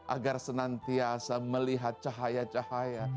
agar senantiasa melihat cahaya cahaya